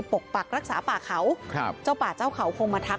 ปกปักรักษาป่าเขาครับเจ้าป่าเจ้าเขาคงมาทัก